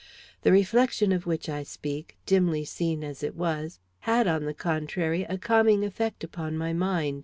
The reflection of which I speak, dimly seen as it was, had, on the contrary, a calming effect upon my mind.